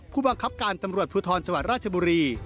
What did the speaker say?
ผู้บังคับการตำรวจภูทรจังหวัดราชบุรี